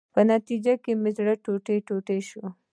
په نتیجه کې مې زړه ټوټې ټوټې شو.